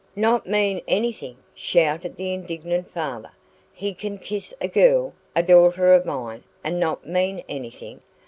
"Not mean anything!" shouted the indignant father. "He can kiss a girl a daughter of mine and not mean anything!